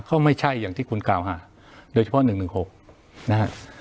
ก็ไม่ใช่อย่างที่คุณกล่าวหาโดยเฉพาะหนึ่งหนึ่งหกนะฮะ